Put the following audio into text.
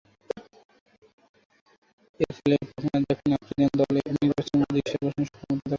এরফলে ফকনার দক্ষিণ আফ্রিকান দল নির্বাচকমণ্ডলীর দৃষ্টি আকর্ষণে সক্ষমতা দেখান।